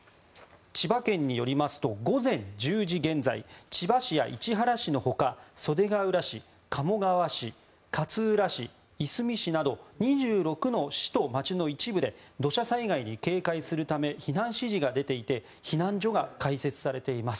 千葉県によりますと午前１０時現在千葉市や市原市のほか袖ケ浦市、鴨川市、いすみ市など２６の市と町の一部で土砂災害に警戒するため避難指示が出ていて避難所が開設されています。